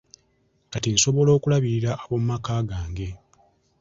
Kati nsobola okulabirira ab'omumaka gange.